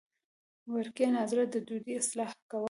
وړکیه ناظره ددوی اصلاح کوه.